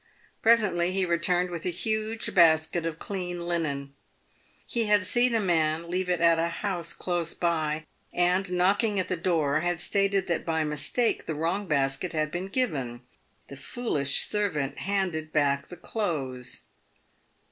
Presently he returned with a huge basket of clean linen. He had seen a man leave it at a house close by, and knocking at the door had stated that by mistake the wrong basket had been given. The foolish servant had handed back the clothes.